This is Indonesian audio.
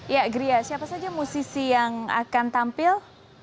ya gria siapa saja musisi yang akan tampil